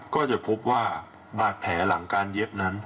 ก็จะพบว่าบาดแผลหลังการเย็บนั้น